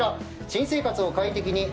新生活を快適に。